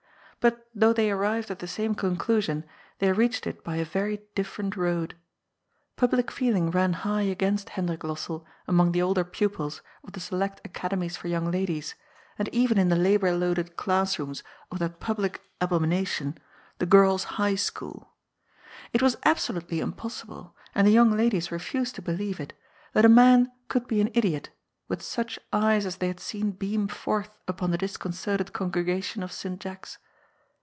But though they arrived at the same conclusion, they reached it by a very different road. Public feeling ran high against Hendrik Lossell among the older pupils of the select academies for young ladies, and even in the labour loaded class rooms of that public abom ination, the Oirls' High School It was absolutely im possible, and the young ladies refused to believe it, that a man could be an idiot with such eyes as they had seen beam forth upon the disconcerted congregation of " St. Jack's."